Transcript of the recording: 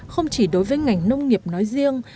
không chỉ đối với ngành nông nghiệp nói riêng